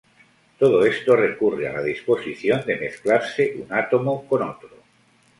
Todo esto recurre a la disposición de mezclarse un átomo con otro.